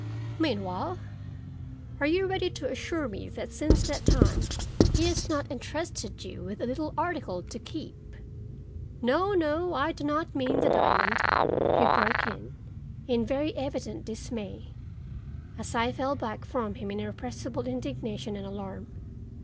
"Meanwhile, are you ready to assure me that since that time he has not intrusted you with a little article to keep—No, no, I do not mean the diamond," he broke in, in very evident dismay, as I fell back from him in irrepressible indignation and alarm.